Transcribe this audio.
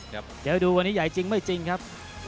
เดี๋ยวดูวันนี้ใหญ่จริงไม่จริงครับ